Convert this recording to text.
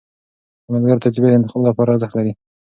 د ملګرو تجربې د انتخاب لپاره ارزښت لري.